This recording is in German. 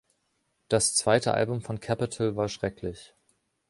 Das zweite Album von Capitol war schrecklich ...